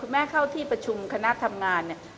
แม่เข้าที่ประชุมคณะทำงานเนี่ย